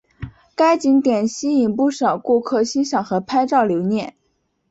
该景点吸引不少顾客欣赏和拍照留念。